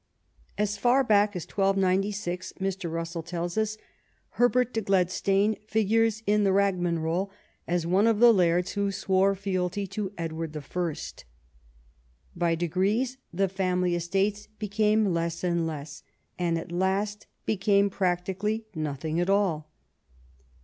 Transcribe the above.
"As far back as 1296," Mr. Russell tells us, " Herbert De Gledestane figures in the Ragman Roll as one of the lairds who swore fealty to Edward I." By degrees the family estates be came less and less, and at last became practically nothing at all.